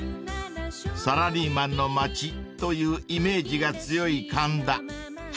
［サラリーマンの街というイメージが強い神田］